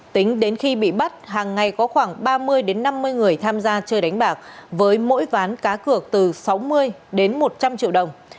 tính đến khi bị bắt hàng ngày có khoảng ba mươi năm mươi người tham gia chơi đánh bạc với mỗi ván cá cược từ sáu mươi đến một trăm linh triệu đồng